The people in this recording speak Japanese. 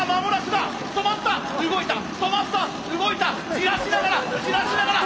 じらしながらじらしながら。